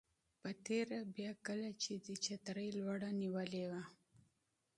په تېره بیا کله چې دې چترۍ لوړه نیولې وه.